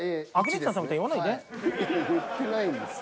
言ってないんですよ。